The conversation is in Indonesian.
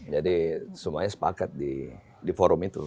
jadi semuanya sepakat di forum itu